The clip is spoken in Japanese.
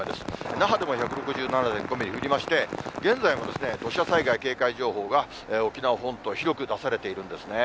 那覇でも１６７．５ミリ降りまして、現在も土砂災害警戒情報が沖縄本島、広く出されているんですね。